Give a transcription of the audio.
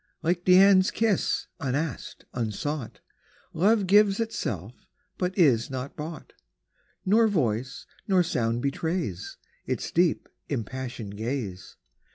Like Dian's kiss, unasked, unsought, Love gives itself, but is not bought ; 15 Nor voice, nor sound betrays Its deep, impassioned ga/e.